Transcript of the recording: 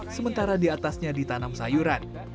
sementara di atasnya ditanam sayuran